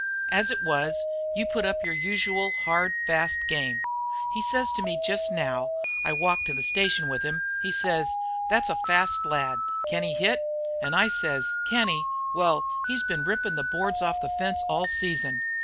As it was, you put up your usual hard, fast game. He sez to me jest now I walked to the station with him he sez, 'Thet's a fast lad; can he hit?' An' I sez, 'Can he? Well, he's been rippin' the boards off the fence all season.'